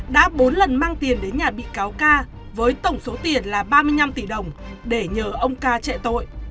đã bốn lần mang tiền đến nhà bị cáo ca với tổng số tiền là ba mươi năm tỷ đồng để nhờ ông ca chạy tội